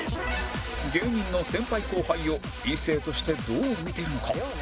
芸人の先輩後輩を異性としてどう見てるのか？